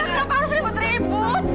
kenapa harus ribut ribut